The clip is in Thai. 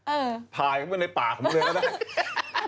เออถ่ายเข้าไปในปากเขาเลยก็ได้